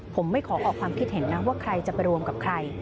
ผมไม่ขอออกความคิดเห็นนะว่าใครจะไปรวมกับใคร